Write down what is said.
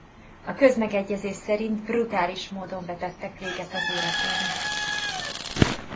A közmegegyezés szerint brutális módon vetettek véget az életének.